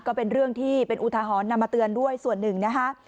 ก็เป็นเรื่องที่เป็นอุทหรณ์นำมาเตือนด้วยส่วนหนึ่งนะคะ